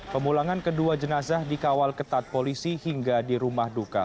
pemulangan kedua jenazah dikawal ketat polisi hingga di rumah duka